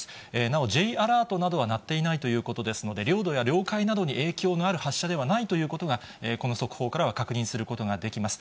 なおＪアラートなどは鳴っていないということですので、領土や領海などに影響がある発射ではないということが、この速報からは確認することができます。